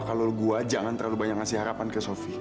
kalau gue jangan terlalu banyak ngasih harapan ke sofie